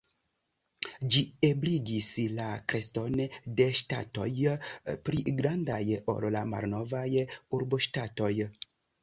Ĝi ebligis la kreskon de ŝtatoj pli grandaj ol la malnovaj urboŝtatoj.